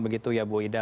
begitu ya bu ida